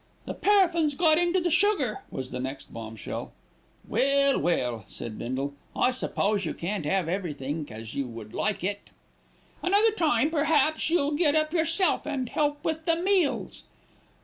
"The paraffin's got into the sugar," was the next bombshell. "Well, well," said Bindle. "I suppose you can't 'ave everythink as you would like it." "Another time, perhaps you'll get up yourself and help with the meals."